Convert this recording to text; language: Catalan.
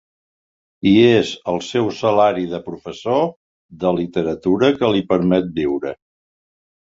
I és el seu salari de professor de literatura que li permet viure.